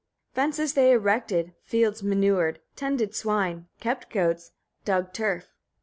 Fences they erected, fields manured, tended swine, kept goats, dug turf.